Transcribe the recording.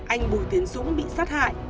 anh bùi tiến dũng bị sát hại